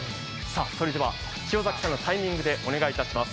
それでは塩崎さんのタイミングでお願いいたします。